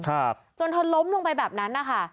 ครับจนเธอล้มลงไปแบบนั้นนะคะ